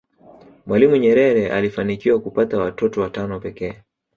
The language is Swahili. mwalimu nyerere alifanikiwa kupata watotot watano pekee